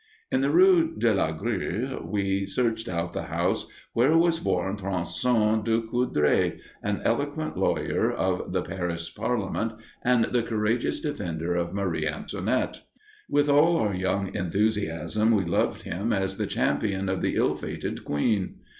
In the rue de la Grue we searched out the house where was born Tronson du Coudray, an eloquent lawyer of the Paris Parliament and the courageous defender of Marie Antoinette. With all our young enthusiasm we loved him as the champion of the ill fated queen.